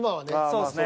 そうっすね。